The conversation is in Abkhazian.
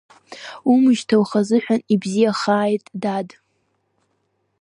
Умышьҭа ухазыҳәан ибзиахааит, дад!